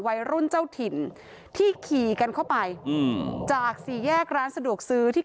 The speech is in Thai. วัยรุ่นเจ้าถิ่นที่ขี่กันเข้าไปอืมจากสี่แยกร้านสะดวกซื้อที่